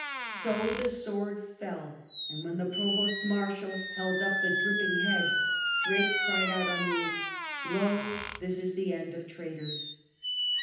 So the sword fell, and when the provost marshal held up the dripping head^ Drake cried out, unmoved, " Lo ! this is the end of traitors."